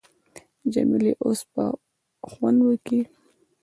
جمیلې اوس به خوند وکي.